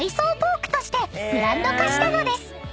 ［としてブランド化したのです］